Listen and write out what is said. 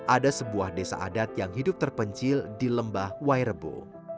ada sebuah desa adat yang hidup terpencil di lembah wairebo